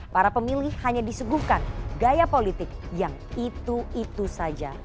para pemilih hanya disuguhkan gaya politik yang itu itu saja